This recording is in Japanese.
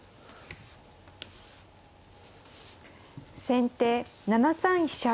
先手７三飛車。